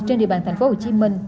trên địa bàn thành phố hồ chí minh